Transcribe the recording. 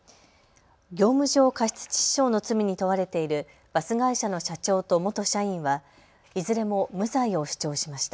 業務上過失致死傷の罪に問われているバス会社の社長と元社員はいずれも無罪を主張しました。